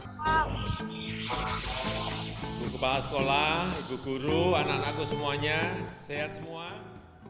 guru kepala sekolah ibu guru anak anakku semuanya sehat semua